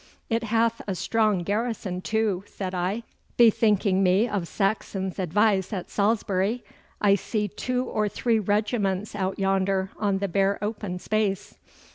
'It hath a strong garrison, too,' said I, bethinking me of Saxon's advice at Salisbury. 'I see two or three regiments out yonder on the bare open space.